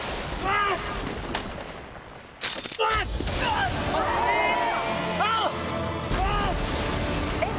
あっ！